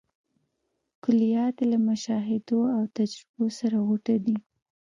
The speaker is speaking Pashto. کلیات یې له مشاهدو او تجربو سره غوټه دي.